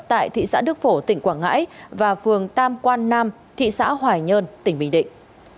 tại thị xã đức phổ tỉnh quảng ngãi và phường tam quan nam thị xã hoài nhơn tỉnh bình định